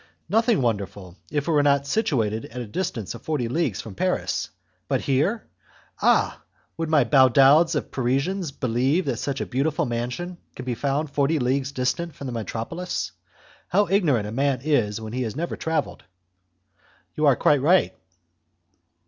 "Nothing wonderful, if it were not situated at a distance of forty leagues from Paris. But here! Ah! would my 'badauds' of Parisians believe that such a beautiful mansion can be found forty leagues distant from the metropolis? How ignorant a man is when he has never travelled!" "You are quite right."